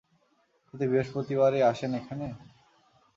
প্রতি বৃহস্পতিবারেই আসেন এখানে?